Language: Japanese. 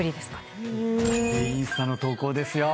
でインスタの投稿ですよ。